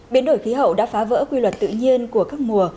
biến đổi khí hậu đã phá vỡ quy luật tự nhiên của các mùa